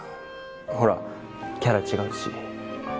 ほらキャラ違うし。